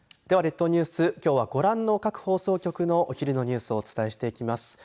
では、列島ニュースきょうは、ご覧の各放送局のお昼のニュースをお伝えしていきます。